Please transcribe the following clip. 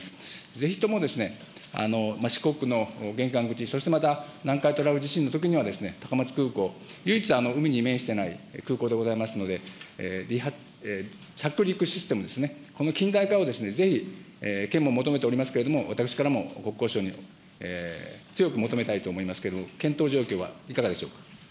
ぜひとも四国の玄関口、そしてまた、南海トラフ地震のときには、高松空港、唯一海に面してない空港でございますので、着陸システムですね、この近代化をぜひ県も求めておりますけれども、私からも国交省に強く求めたいと思いますけど、検討状況はいかがでしょうか。